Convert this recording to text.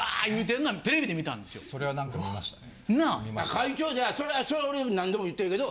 会長それは俺は何度も言ってるけど。